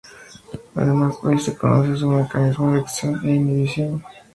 Además, hoy se conoce su mecanismo de acción e inhibición.